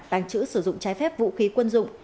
tàng trữ sử dụng trái phép vũ khí quân dụng